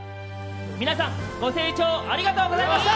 皆さんご清聴ありがとうございました。